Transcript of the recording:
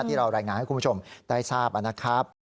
ที่เรารายงานให้คุณผู้ชมได้ทราบนะครับ